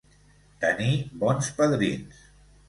Tenir bons padrins.